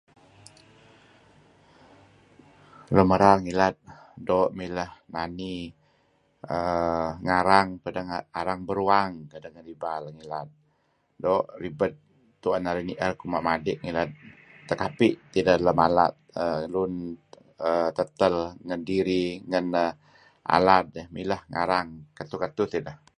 Lun merar ngilad doo' mileh nani, uhm ngarang pideh arang beruang kadeh ngen ibal ngilad doo' ribe tuen narih nier renga' narih madi' ngilad. Tekapi' tideh luun tetal, ngen diri, ngen alad. Mileh ngarang ketuh-ketuh teh ideh.